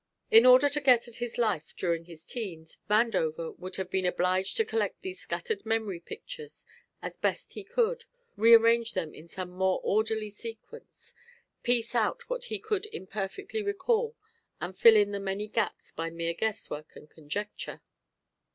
In order to get at his life during his teens, Vandover would have been obliged to collect these scattered memory pictures as best he could, rearrange them in some more orderly sequence, piece out what he could imperfectly recall and fill in the many gaps by mere guesswork and conjecture.